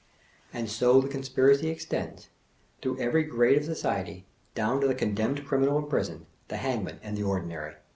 And so the conspiracy extends, through every grade of society, down to the condemned criminal in prison, the hangman, and the Ordinary.